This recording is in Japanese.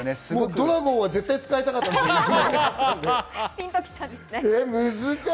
ドラゴンは絶対使いたかったんですよね。